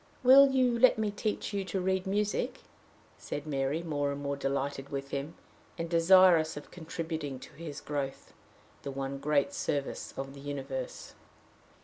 "Will you let me teach you to read music?" said Mary, more and more delighted with him, and desirous of contributing to his growth the one great service of the universe.